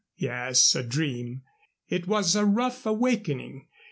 Yes, a dream. It was a rough awakening.